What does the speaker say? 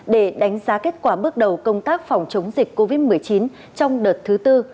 để đánh giá kết quả bước đầu công tác phòng chống dịch covid một mươi chín trong đợt thứ tư